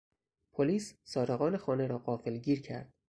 پلیس سارقان خانه را غافلگیر کرد.